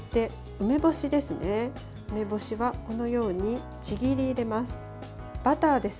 梅干しは、このようにちぎり入れます。